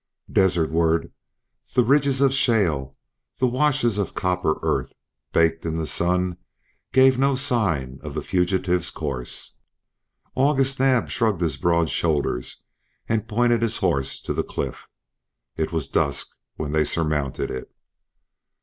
Desertward the ridges of shale, the washes of copper earth, baked in the sun, gave no sign of the fugitives' course. August Naab shrugged his broad shoulders and pointed his horse to the cliff. It was dusk when they surmounted it.